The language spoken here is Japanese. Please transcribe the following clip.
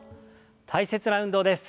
大切な運動です。